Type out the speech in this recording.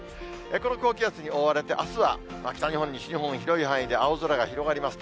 この高気圧に覆われて、あすは北日本、西日本、広い範囲で青空が広がります。